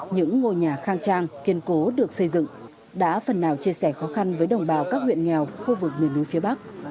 những ngôi nhà khang trang kiên cố được xây dựng đã phần nào chia sẻ khó khăn với đồng bào các huyện nghèo khu vực miền núi phía bắc